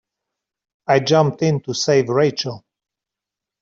I jumped in to save Rachel.